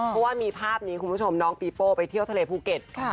เพราะว่ามีภาพนี้คุณผู้ชมน้องปีโป้ไปเที่ยวทะเลภูเก็ต